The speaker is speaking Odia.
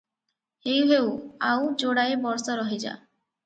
ହେଉ ହେଉ ଆଉ ଯୋଡ଼ାଏ ବର୍ଷ ରହିଯା?